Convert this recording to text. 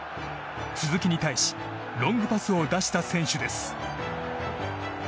鈴木に対しロングパスを出した選手です。